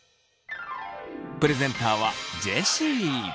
プレゼンターはジェシー。